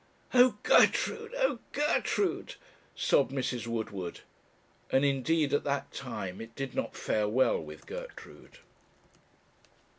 'Oh, Gertrude! oh, Gertrude!' sobbed Mrs. Woodward; and indeed, at that time, it did not fare well with Gertrude.